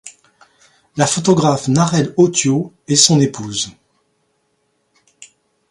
La photographe Narelle Autio est son épouse.